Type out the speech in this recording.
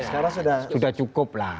sekarang sudah cukup lah